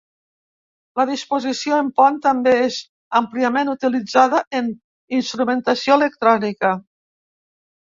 La disposició en pont també és àmpliament utilitzada en instrumentació electrònica.